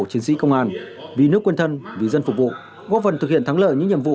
chiến sĩ công an vì nước quân thân vì dân phục vụ góp phần thực hiện thắng lợi những nhiệm vụ